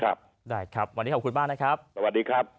ครับได้ครับวันนี้ขอบคุณมากนะครับสวัสดีครับ